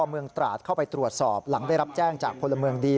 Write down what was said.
เมืองตราดเข้าไปตรวจสอบหลังได้รับแจ้งจากพลเมืองดี